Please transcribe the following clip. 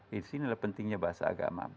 di sini lah pentingnya bahasa agama